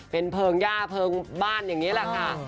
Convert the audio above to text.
เป็นเพลิงย่าเพลิงบ้านอย่างนี้แหละค่ะ